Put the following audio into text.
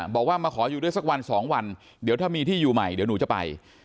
บอกว่ามาขออยู่ด้วยสักวันสองวันเดี๋ยวถ้ามีที่อยู่ใหม่เดี๋ยวหนูจะไป